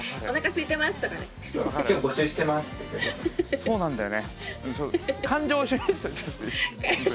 そうなんだよね。